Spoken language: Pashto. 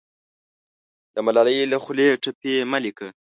د ملالۍ له خولې ټپې مه لیکه